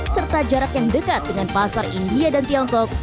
serta jarak yang dekat dengan pasar india dan tiongkok